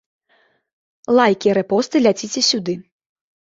Лайкі, рэпосты, ляціце сюды.